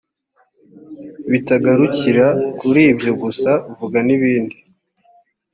bitagarukira kuri ibyo gusa vuga nibindi